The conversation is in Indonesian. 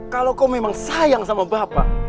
kalau kau memang sayang sama bapak